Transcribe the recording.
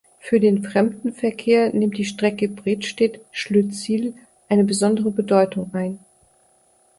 Für den Fremdenverkehr nimmt die Strecke Bredstedt-Schlüttsiel eine besondere Bedeutung ein.